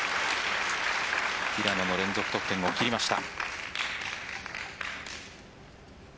平野の連続得点を切りました。